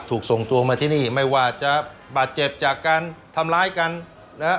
ถูกส่งตัวมาที่นี่ไม่ว่าจะบาดเจ็บจากการทำร้ายกันนะฮะ